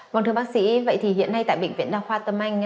vâng thưa bác sĩ vậy thì hiện nay tại bệnh viện đa khoa tâm anh